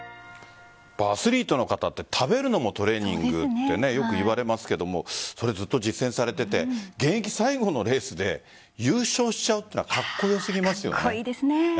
アスリートの方って食べるのもトレーニングってよく言われますがずっとそれを実践されていて現役最後のレースで優勝しちゃうってカッコ良すぎますよね。